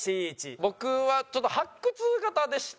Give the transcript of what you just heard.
僕はちょっと発掘型でして。